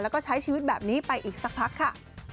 แล้วก็ใช้ชีวิตแบบนี้ไปอีกสักพักค่ะ